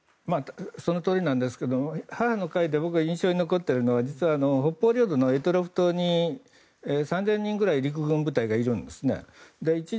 そのとおりなんですけども母の会で僕が印象に残っているのは実は北方領土の択捉島に３０００人ぐらい陸軍部隊がいるんです。